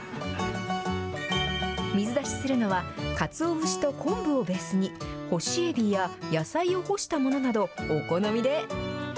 水出しするのは、かつお節と昆布をベースに、干しエビや野菜を干したものなど、お好みで。